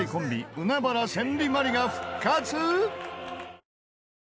海原千里・万里が復活！？